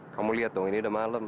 kamu lihat dong ini udah malam